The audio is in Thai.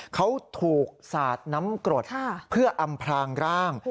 เขาถูกสาดน้ำกรดเพื่ออำพลางร่าง